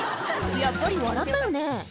やっぱり笑ったよね